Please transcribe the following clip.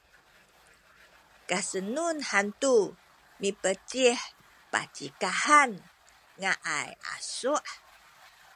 kasenun hantu mipecih pacikah han ngaay asu’